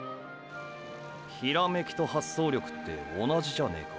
「ヒラメキ」と「発想力」って同じじゃねーか。